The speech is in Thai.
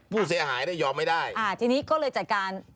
ผู้เสียหายได้ยอมไม่ได้อ่าทีนี้ก็เลยจัดการ